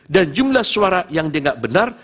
dan jumlah suara yang dienggak benar